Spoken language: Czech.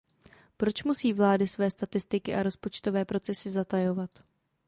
Proč musí vlády své statistiky a rozpočtové procesy zatajovat?